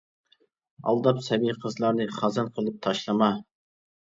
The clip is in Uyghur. ئالداپ سەبىي قىزلارنى، خازان قىلىپ تاشلىما.